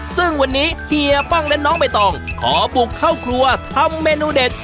ซึ่งวันนี้เฮียป้องและน้องใบตองขอบุกเข้าครัวทำเมนูเด็ด